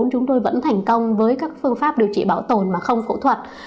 chúng tôi vẫn thành công với các phương pháp điều trị bảo tồn mà không phẫu thuật